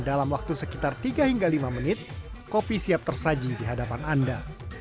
dalam waktu sekitar tiga hingga lima menit kopi siap tersaji di hadapan anda